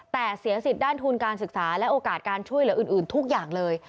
แต่เสียสิทธิ์ด้านทุนการศึกษาและโอกาสการช่วยเหลืออื่นทุกอย่างเลย